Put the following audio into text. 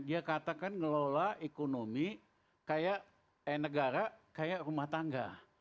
dia katakan ngelola ekonomi kayak negara kayak rumah tangga